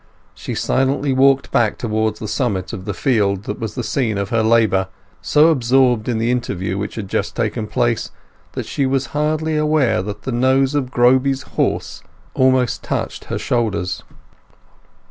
She silently walked back towards the summit of the field that was the scene of her labour, so absorbed in the interview which had just taken place that she was hardly aware that the nose of Groby's horse almost touched her shoulders.